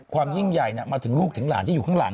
ยิ่งใหญ่มาถึงลูกถึงหลานที่อยู่ข้างหลัง